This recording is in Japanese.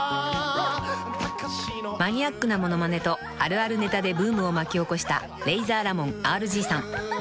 ［マニアックな物まねとあるあるネタでブームを巻き起こしたレイザーラモンＲＧさん］